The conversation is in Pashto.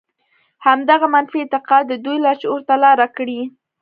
همدغه منفي اعتقاد د دوی لاشعور ته لاره کړې